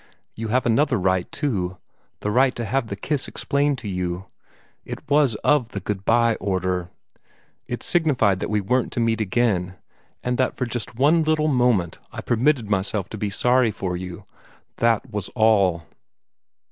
You have another right too the right to have the kiss explained to you. It was of the good bye order. It signified that we weren't to meet again, and that just for one little moment I permitted myself to be sorry for you. That was all."